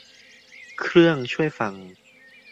เครื่องช่วยฟัง